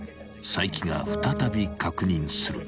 ［齋木が再び確認する］